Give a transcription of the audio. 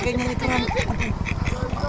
kayaknya di tengah